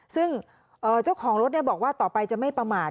ซึ่งเอ่อเจ้าของรถเนี่ยบอกว่าต่อไปจะไม่ประมาท